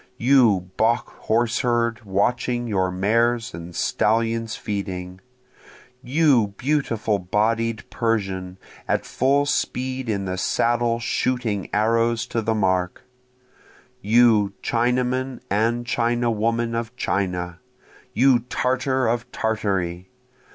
You Bokh horse herd watching your mares and stallions feeding! You beautiful bodied Persian at full speed in the saddle shooting arrows to the mark! You Chinaman and Chinawoman of China! you Tartar of Tartary!